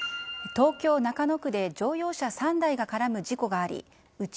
東京・中野区で乗用車３台が絡む事故がありうち